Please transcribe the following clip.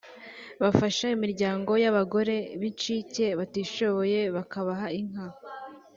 bafasha imiryango y’abagore b’incike batishoboye babaha inka